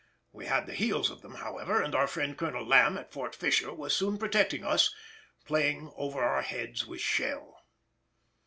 We had the heels of them, however, and our friend Colonel Lamb at Fort Fisher was soon protecting us, playing over our heads with shell.